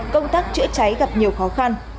công tác chữa cháy gặp nhiều khó khăn